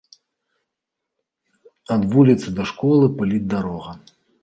Ад вуліцы да школы пыліць дарога.